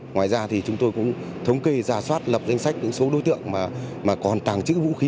ngoài ra thì chúng tôi cũng thống kê ra soát lập danh sách những số đối tượng mà còn tàng trữ vũ khí